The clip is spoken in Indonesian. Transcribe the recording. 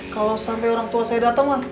kalau sampai orang tua saya datang mah